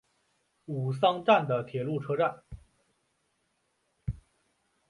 吾桑站的铁路车站。